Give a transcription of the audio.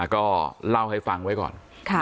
ก็เล่าให้ฟังไว้ก่อน